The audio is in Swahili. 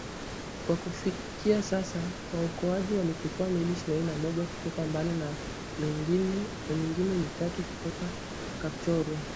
kuwa kufikia sasa waokoaji wamechukua miili ishirini na moja kutoka Mbale na mingine mitatu kutoka Kapchorwa.